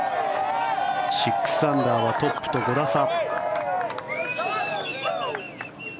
６アンダーはトップと５打差。